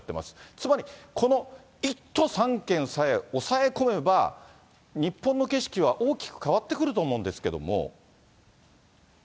つまり、この１都３県さえ抑え込めば、日本の景色は大きく変わってくると思うんですけれども。